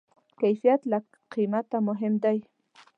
کیفیت له قیمته مهم دی.